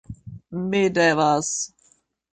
Mi devas...